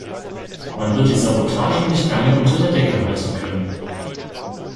Man wird die Sabotage nicht lange unter der Decke halten können.